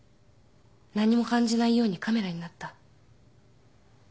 何にも感じないようにカメラになった